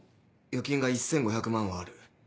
預金が１５００万はある。